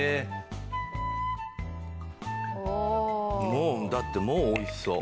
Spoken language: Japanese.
もうだってもう美味しそう。